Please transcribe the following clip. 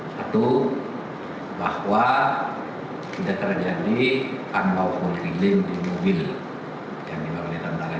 satu bahwa tidak terjadi anbau poliklin di mobil yang dimaklumkan oleh tandang lai